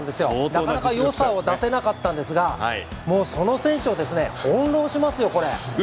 なかなか良さを出せなかったんですがもうその選手をですね翻弄しますよ。